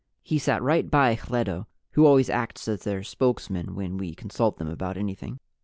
He sat right by Hledo, who always acts as their spokesman when we consult them about anything.